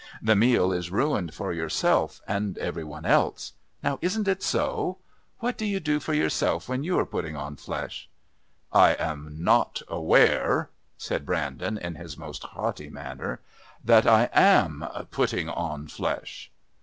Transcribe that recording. The meal is ruined for yourself and every one else. Now, isn't it so? What do you do for yourself when you are putting on flesh?" "I am not aware," said Brandon in his most haughty manner, "that I am putting on flesh."